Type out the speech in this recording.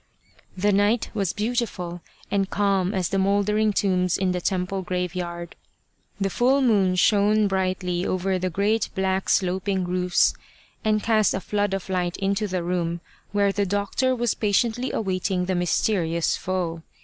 The night was beautiful, and calm as the mouldering tombs in the temple graveyard. The full moon shone brightly over the great black sloping roofs, and cast a flood of light into the room where the doctor was patiently awaiting the mysterious foe.